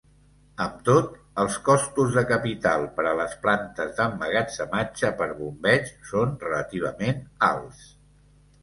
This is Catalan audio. Amb tot, els costos de capital per a les plantes d'emmagatzematge per bombeig són relativament alts.